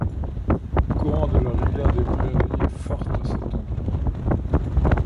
Le courant de la rivière des Prairies est fort à cet endroit.